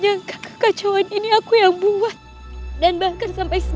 atau kalian berdua akan mati